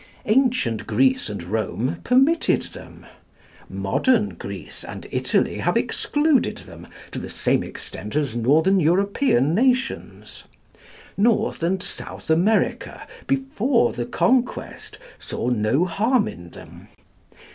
Ancient Greece and Rome permitted them. Modern Greece and Italy have excluded them to the same extent as Northern European nations. North and South America, before the Conquest, saw no harm in them.